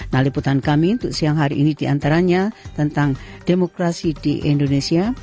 nah liputan kami untuk siang hari ini diantaranya tentang demokrasi di indonesia